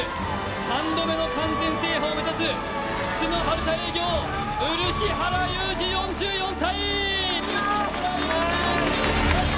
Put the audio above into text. ３度目の完全制覇を目指す靴のハルタ営業、漆原裕治４４歳。